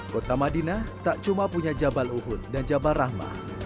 kota madinah tak cuma punya jabal uhud dan jabal rahmah